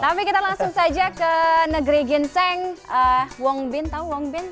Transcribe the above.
tapi kita langsung saja ke negeri ginseng wong bin tau wong bin